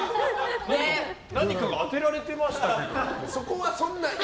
何かが当てられてましたけど。